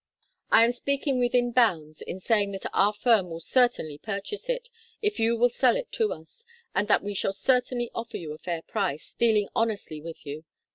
I am speaking within bounds in saying that our firm will certainly purchase it, if you will sell to us, and that we shall certainly offer you a fair price, dealing honestly with you.